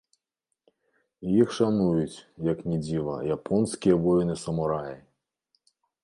І іх шануюць, як ні дзіва, японскія воіны-самураі!